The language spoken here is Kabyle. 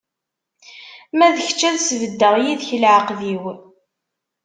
Ma d kečč, ad sbeddeɣ yid-k leɛqed-iw.